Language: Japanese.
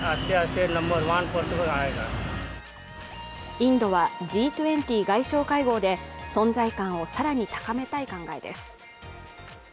インドはＧ２０外相会合で存在感を更に高めたい考えです。